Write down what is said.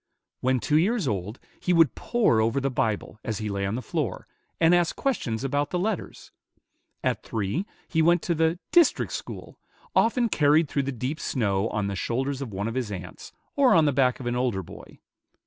When two years old, he would pore over the Bible, as he lay on the floor, and ask questions about the letters; at three, he went to the "district school," often carried through the deep snow on the shoulders of one of his aunts, or on the back of an older boy.